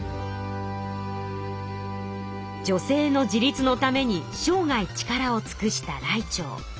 女性の自立のために生涯力をつくしたらいてう。